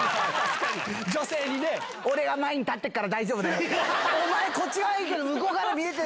女性にね、俺が前に立ってっから大丈夫だって。